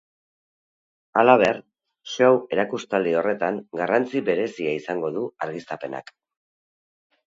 Halaber, show erakustaldi horretan garrantzi berezia izango du argiztapenak.